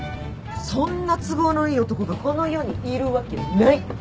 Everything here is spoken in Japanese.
そんな都合のいい男がこの世にいるわけない！